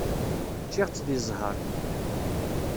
Ččiɣ-tt deg zzheṛ.